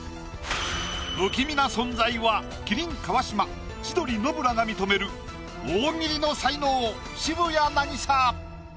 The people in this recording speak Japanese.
不気味な存在は麒麟川島千鳥ノブらが認める大喜利の才能渋谷凪咲。